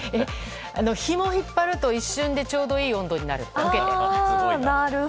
ひもを引っ張ると一瞬でちょうどいい温度になる？